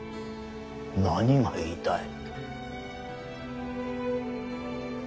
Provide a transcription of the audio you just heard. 何が言いたい？